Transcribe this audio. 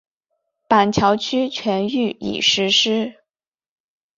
板桥区全域已实施。